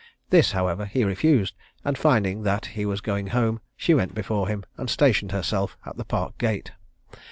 This, however, he refused; and finding that he was going home, she went before him, and stationed herself at the Park gate.